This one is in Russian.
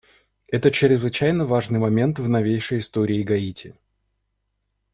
Это чрезвычайно важный момент в новейшей истории Гаити.